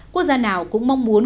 quốc gia nào cũng mong muốn